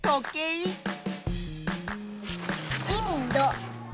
インド。